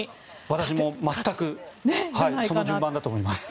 私も全くその順番だと思います。